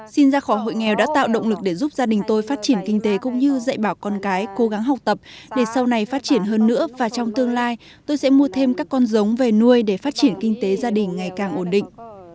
xin ra khỏi hội nghèo đã tạo động lực để giúp gia đình tôi phát triển kinh tế cũng như dạy bảo con cái cố gắng học tập để sau này phát triển hơn nữa và trong tương lai tôi sẽ mua thêm các con giống về nuôi để phát triển kinh tế gia đình ngày càng ổn định